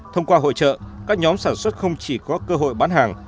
thông qua hội trợ các nhóm sản xuất không chỉ có cơ hội bán hàng